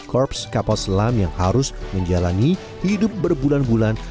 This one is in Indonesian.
korps kapal selam yang harus menjalani hidup berbulan bulan